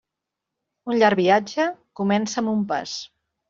Un llarg viatge comença amb un pas.